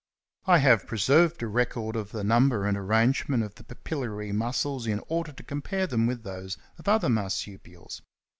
I have preserved a record of the number and arrangement of the papillary muscles in order to compare them with those of other Marsupials.